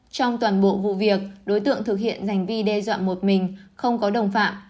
trong toàn bộ vụ việc đối tượng thực hiện hành vi đe dọa một mình không có đồng phạm